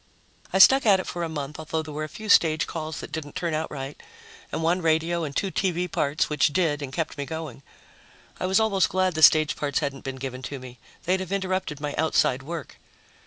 I stuck at it for a month, although there were a few stage calls that didn't turn out right, and one radio and two TV parts, which did and kept me going. I was almost glad the stage parts hadn't been given to me; they'd have interrupted my outside work.